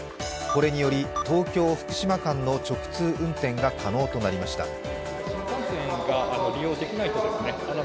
これにより、東京−福島間の直通運転が可能となりました。